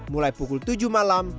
mulai pukul tujuh malam